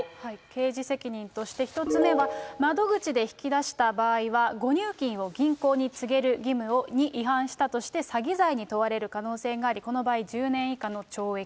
刑事責任として、１つ目は、窓口で引き出した場合は、誤入金を銀行に告げる義務に違反したとして詐欺罪に問われる可能性があり、この場合１０年以下の懲役。